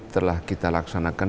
telah kita laksanakan